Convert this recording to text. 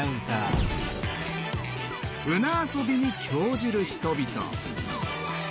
船遊びに興じる人々。